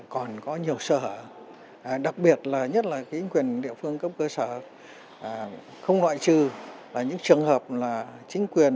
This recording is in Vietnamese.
còn có nhiều sở đặc biệt là nhất là chính quyền địa phương cấp cơ sở không loại trừ những trường hợp là chính quyền